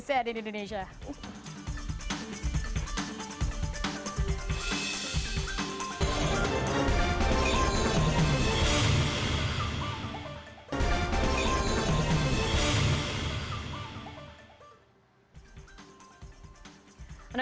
saya aditya indonesia